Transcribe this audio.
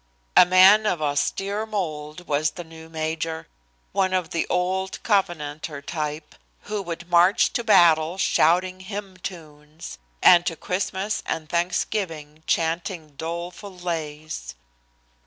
A man of austere mold was the new major, one of the old Covenanter type, who would march to battle shouting hymn tunes, and to Christmas and Thanksgiving chanting doleful lays.